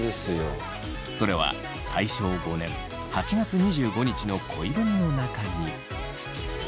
それは大正５年８月２５日の恋文の中に。